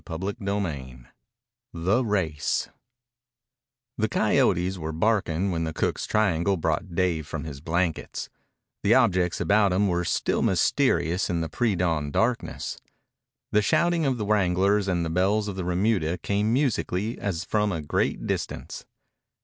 CHAPTER II THE RACE The coyotes were barking when the cook's triangle brought Dave from his blankets. The objects about him were still mysterious in the pre dawn darkness. The shouting of the wranglers and the bells of the remuda came musically as from a great distance.